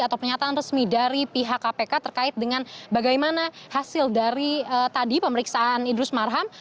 atau pernyataan resmi dari pihak kpk terkait dengan bagaimana hasil dari tadi pemeriksaan idrus marham